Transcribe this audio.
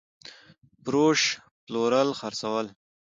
فروش √ پلورل خرڅول